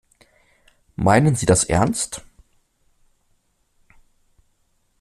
Meinen Sie das ernst?